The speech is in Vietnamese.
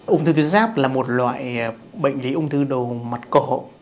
ung thư tuyến giáp là một loại bệnh lý ung thư đầu mặt cổ